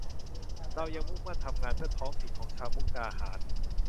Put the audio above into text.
เรายังมุ่งมั่นทำงานเพื่อท้องถิ่นของชาวมุกดาหาร